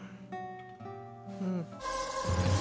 うん。